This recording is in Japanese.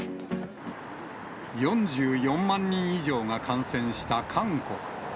４４万人以上が感染した韓国。